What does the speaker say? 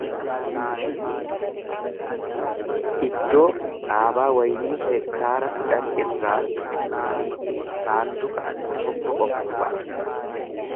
Iddoo dhaabaa waynii hektaara kudhan irraa saanduqa tokko qofatu ba'a.